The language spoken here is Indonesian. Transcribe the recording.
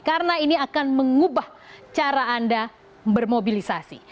karena ini akan mengubah cara anda bermobilisasi